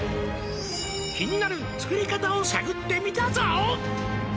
「気になる作り方を探ってみたぞ」